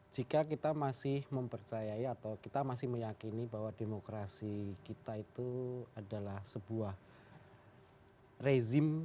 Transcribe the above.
jika kita masih mempercayai atau kita masih meyakini bahwa demokrasi kita itu adalah sebuah rezim